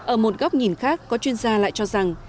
ở một góc nhìn khác có chuyên gia lại cho rằng